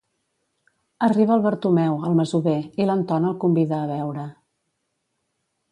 Arriba el Bartomeu, el masover, i l'Anton el convida a beure.